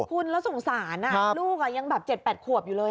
คุณแล้วสงสารลูกยังแบบ๗๘ขวบอยู่เลย